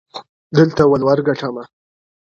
دلته ولور گټمه،